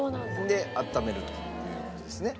であっためるという事ですね。